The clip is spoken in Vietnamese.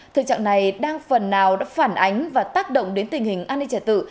thực trạng này đang phần nào đã phản ánh và tác động đến tình hình an ninh trẻ tử